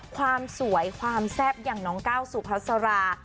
ความสวยความแซ่บอย่างน้องก้าวสุพัสรา